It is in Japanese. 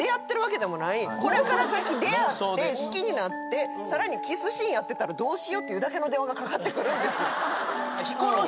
これから先出会って好きになってさらにキスシーンやってたらどうしようっていうだけの電話がかかってくるんです。